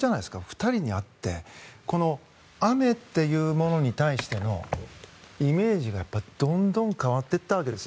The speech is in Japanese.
２人に会ってこの雨というものに対してのイメージがどんどん変わっていったわけです。